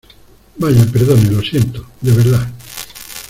¡ vaya, perdone , lo siento , de verdad!